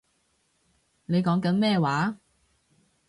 你講緊咩話